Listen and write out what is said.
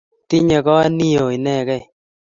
Tinyei koot ni oo inegei